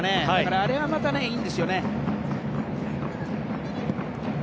あれがまたいいんですよね。